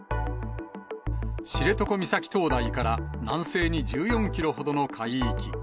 知床岬灯台から南西に１４キロほどの海域。